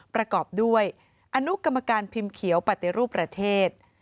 ประกอบด้วยอนุกรรมการพิมพ์เขียวปฏิรูปประเทศ